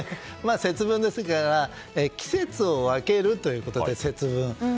節分ですから季節を分けるということで節分。